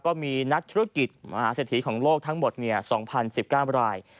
ก็มีนักธุรกิจมหาเศรษฐีของโลกทั้งหมด๒๐๑๙ราย